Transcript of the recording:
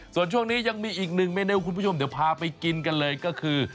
ส่วนช่วงนี้ยังมีอีกหนึ่งเมนูคุณผู้ชมเดี๋ยวพาไปกินกันเลยก็คือ